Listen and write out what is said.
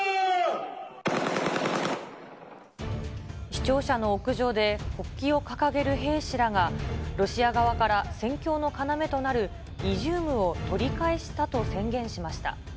市庁舎の屋上で国旗を掲げる兵士らがロシア側から戦況の要となるイジュームを取り返したと宣言しました。